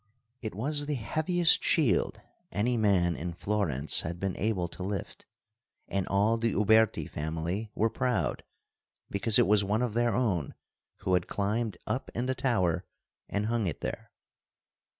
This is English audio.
It was the heaviest shield any man in Florence had been able to lift, and all the Uberti family were proud because it was one of their own who had climbed up in the tower and hung it there.